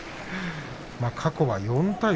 過去は４対３。